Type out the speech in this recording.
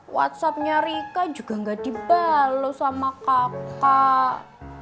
whatsappnya rika juga gak dibalu sama kakak